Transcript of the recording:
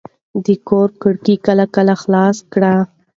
د کور کړکۍ کله کله خلاصې کړئ.